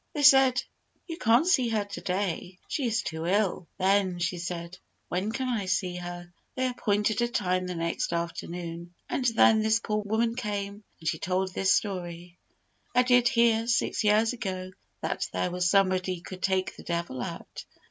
They said, "You can't see her to day she is too ill!" "Then," she said, "When can I see her?" They appointed a time the next afternoon, and then this poor woman came, and she told this story: "I did hear, six years ago, that there was somebody could take the devil out.